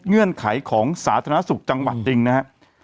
เงื่อนไขของสาธารณสุขจังหวัดจริงนะครับ